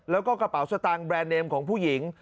แล้วก็กระเป๋าสตางค์แรนดเนมของผู้หญิง